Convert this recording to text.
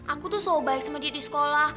aku tuh selalu baik sama dia di sekolah